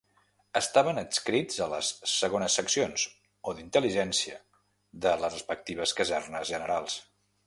Estaven adscrits a les Segones Seccions, o d'Intel·ligència, de les respectives Casernes Generals.